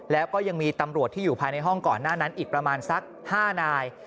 แล้วก็ยังมีตำรวจที่อยู่ภายในห้องก่อนหน้านั้นอีกประมาณสัก๕นาย